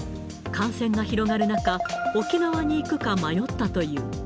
感染が広がる中、沖縄に行くか迷ったという。